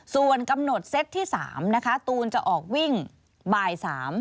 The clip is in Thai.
ส่วนกำหนดเซตที่๓นะคะตูนจะออกวิ่งบ่าย๓